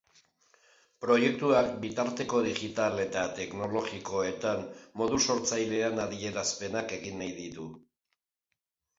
Proiektuak bitarteko digital eta teknologikoetan modu sortzailean adierazpenak egin nahi ditu.